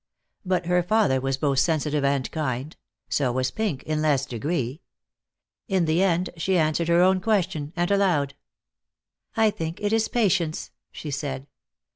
But her father was both sensitive and kind. So was Pink, in less degree. In the end she answered her own question, and aloud. "I think it is patience," she said.